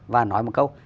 và nói một câu